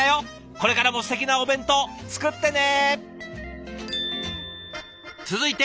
これからもすてきなお弁当作ってね！